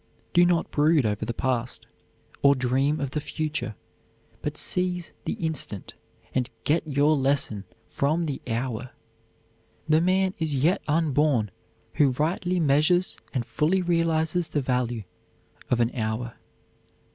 Do not brood over the past, or dream of the future, but seize the instant and get your lesson from the hour. The man is yet unborn who rightly measures and fully realizes the value of an hour.